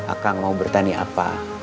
akang mau bertani apa